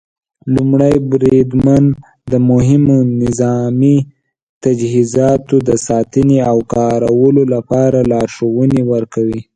لومړی بریدمن د مهمو نظامي تجهیزاتو د ساتنې او کارولو لپاره لارښوونې ورکوي.